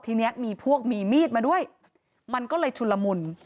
ทีนี้มีพวกมีมีดมาด้วยมันก็เลยชุนละมุน